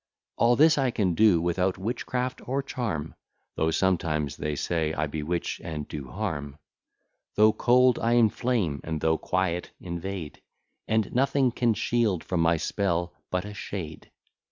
All this I can do without witchcraft or charm, Though sometimes they say, I bewitch and do harm; Though cold, I inflame; and though quiet, invade: And nothing can shield from my spell but a shade.